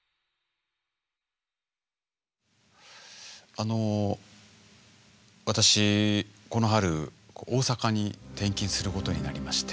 あの私この春大阪に転勤することになりまして。